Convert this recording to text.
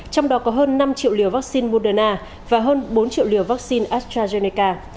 trong đó có hơn năm triệu liều vaccine moderna và hơn bốn triệu liều vaccine astrazeneca